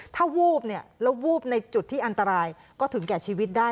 ถ้าวูบเนี่ยแล้ววูบในจุดที่อันตรายก็ถึงแก่ชีวิตได้